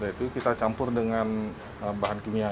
nah itu kita campur dengan bahan kimianya